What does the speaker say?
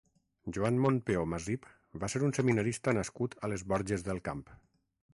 Joan Montpeó Masip va ser un seminarista nascut a les Borges del Camp.